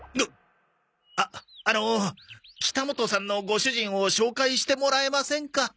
ああの北本さんのご主人を紹介してもらえませんか？